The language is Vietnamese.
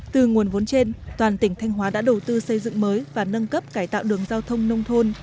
từ nguồn vốn trên toàn tỉnh thanh hóa đã đầu tư xây dựng mới và nâng cấp cải tạo đường giao thông nông thôn